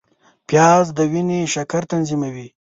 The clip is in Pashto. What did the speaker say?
پیاز د وینې شکر تنظیموي